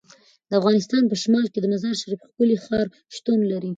د افغانستان په شمال کې د مزارشریف ښکلی ښار شتون لري.